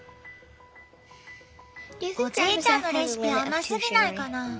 おじいちゃんのレシピ甘すぎないかなぁ。